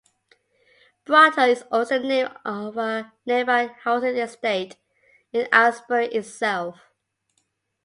Broughton is also the name of a nearby housing estate in Aylesbury itself.